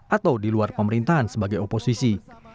atau di luar pemerintahan sebagai oposisi